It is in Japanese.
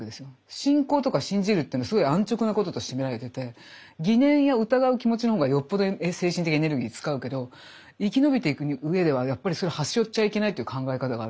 信仰とか信じるっていうのすごい安直なこととして見られてて疑念や疑う気持ちの方がよっぽど精神的エネルギー使うけど生きのびていく上ではやっぱりそれ端折っちゃいけないっていう考え方がある。